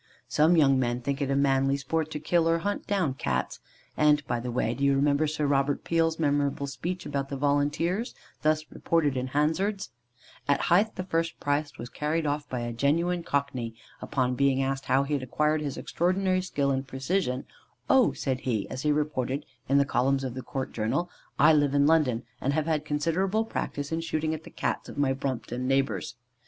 Some young men think it a manly sport to kill or hunt down Cats; and, by the way, do you remember Sir Robert Peel's memorable speech about the Volunteers, thus reported in Hansard?: "At Hythe the first prize was carried off by a genuine Cockney. Upon being asked how he had acquired his extraordinary skill and precision "'Oh,' said he, as reported in the columns of the Court Journal, 'I live in London, and have had considerable practice in shooting at the Cats of my Brompton neighbours.